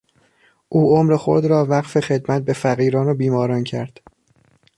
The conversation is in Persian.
او عمر خود را وقف خدمت به فقیران و بیماران کرد.